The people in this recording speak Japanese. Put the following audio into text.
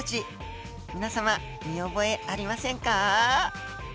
皆様見覚えありませんか？